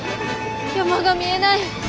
山が見えない。